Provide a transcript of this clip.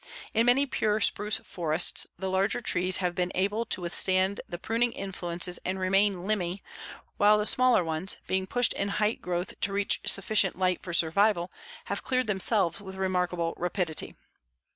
In many pure spruce forests the larger trees have been able to withstand the pruning influences and remain limby, while the smaller ones, being pushed in height growth to reach sufficient light for survival, have cleared themselves with remarkable rapidity.